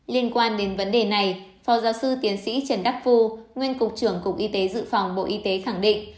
liên quan đến vấn đề này phó giáo sư tiến sĩ trần đắc phu nguyên cục trưởng cục y tế dự phòng bộ y tế khẳng định